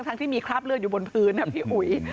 ทั้งที่มีคราบเรื่องอยู่บนพื้นครับพี่อุ๋ย